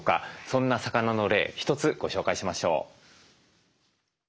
そんな魚の例一つご紹介しましょう。